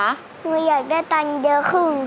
หนูอยากได้ตังค์เดือดครึ่ง